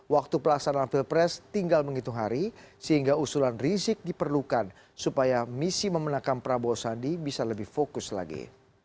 waktu pelaksanaan pilpres tinggal menghitung hari sehingga usulan rizik diperlukan supaya misi memenangkan prabowo sandi bisa lebih fokus lagi